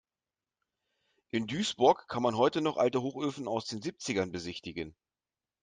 In Duisburg kann man heute noch alte Hochöfen aus den Siebzigern besichtigen.